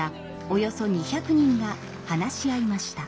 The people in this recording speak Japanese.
およそ２００人が話し合いました。